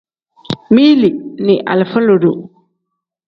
Mili ni alifa lodo.